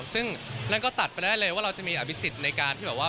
ซึ่งนั่นก็ตัดไปได้เลยว่าเราจะมีอภิษฎในการที่แบบว่า